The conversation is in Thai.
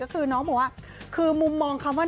คือมุมมองคำว่า